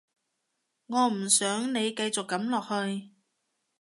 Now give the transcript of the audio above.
我唔想你繼續噉落去